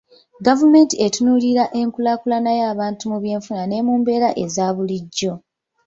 Gavumenti etunuulira enkulaakulana y'abantu mu byenfuna ne mu mbeera eza bulijjo.